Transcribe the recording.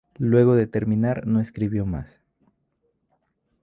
Luego de terminar no escribió más.